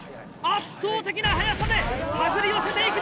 圧倒的な速さで手繰り寄せていきます。